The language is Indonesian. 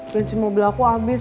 bensin mobil aku abis